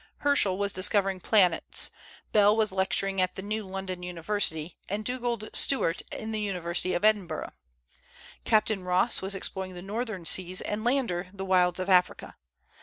Herschel was discovering planets. Bell was lecturing at the new London University, and Dugald Stewart in the University of Edinburgh. Captain Ross was exploring the Northern Seas, and Lander the wilds of Africa.